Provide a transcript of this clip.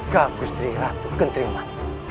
kalau gusti ratu kendermani